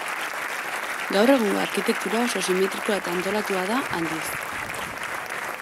Gaur egungo arkitektura oso simetrikoa eta antolatua da, aldiz.